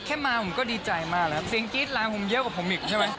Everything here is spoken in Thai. แค่มาผมก็ดีใจมากสิ่งกรี๊ดไลม์ผมเยอะกว่าผมอีกใช่มั้ย